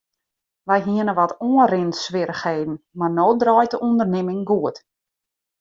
Wy hiene wat oanrinswierrichheden mar no draait de ûndernimming goed.